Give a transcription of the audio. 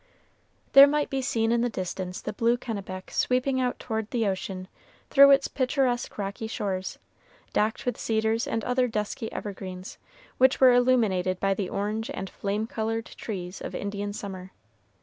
There might be seen in the distance the blue Kennebec sweeping out toward the ocean through its picturesque rocky shores, docked with cedars and other dusky evergreens, which were illuminated by the orange and flame colored trees of Indian summer.